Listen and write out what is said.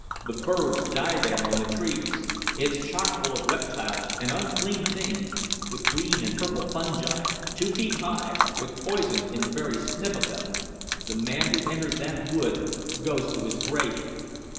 The birds die there on the trees. It's chockful of reptiles and unclean things, with green and purple fungi, two feet high, with poison in the very sniff of them. The man who enters that wood goes to his grave."